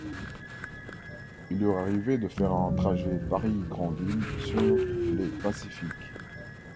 Il leur arrivait de faire un trajet Paris - Granville sur les Pacific.